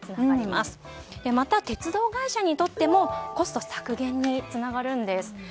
また、鉄道会社にとってもコスト削減につながるんです。